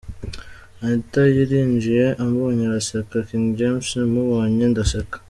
Anitha yarinjiye ambonye araseka, King James mubonye ndaseka.